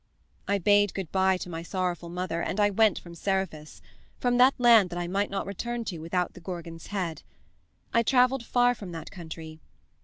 "I bade good by to my sorrowful mother and I went from Seriphus from that land that I might not return to without the Gorgon's head. I traveled far from that country.